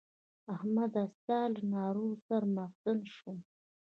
احمده! ستا له نارو سر مغزن شوم.